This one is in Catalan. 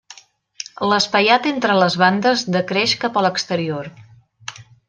L'espaiat entre les bandes decreix cap a l'exterior.